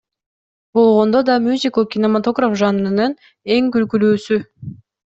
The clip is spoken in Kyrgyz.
Болгондо да мюзикл — кинематограф жанрынын эң күлкүлүүсү.